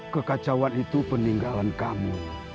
kekacauan itu peninggalan kamu